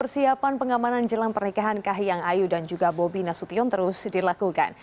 persiapan pengamanan jelang pernikahan kahiyang ayu dan juga bobi nasution terus dilakukan